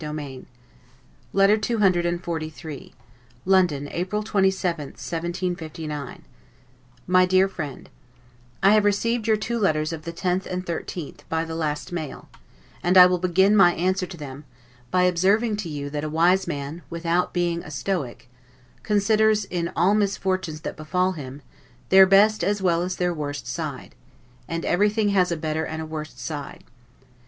God send you a very great share of both! Adieu. LETTER CCXLIII LONDON, April 27, 1759 MY DEAR FRIEND: I have received your two letters of the 10th and 13th, by the last mail; and I will begin my answer to them, by observing to you that a wise man, without being a Stoic, considers, in all misfortunes that befall him, their best as well as their worst side; and everything has a better and a worse side.